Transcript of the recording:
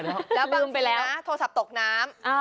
แล้วต้องเสียโทรศัพท์ตกน้ำ